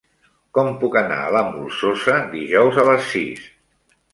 Com puc anar a la Molsosa dijous a les sis?